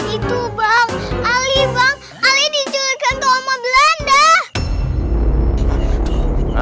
itu bang ali bang ali diculikkan ke oma belanda